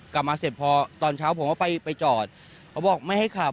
กลับมาเสร็จพอตอนเช้าผมก็ไปไปจอดเขาบอกไม่ให้ขับ